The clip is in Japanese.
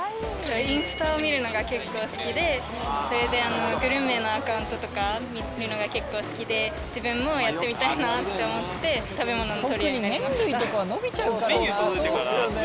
インスタを見るのが結構好きでグルメのアカウントとか見るのが結構好きで自分もやってみたいな！と思って食べ物を撮るようになりました。